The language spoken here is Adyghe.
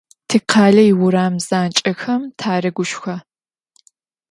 Tikhale yiuram zanç'exem tareguşşxo.